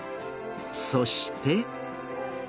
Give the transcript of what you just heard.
そして。